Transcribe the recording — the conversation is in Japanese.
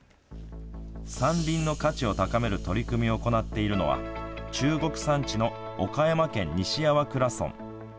山林の価値を高める取り組みを行っているのは中国山地の岡山県西粟倉村。